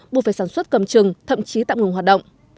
bộ phần sản xuất cầm chừng thậm chí tạm ngừng hoạt động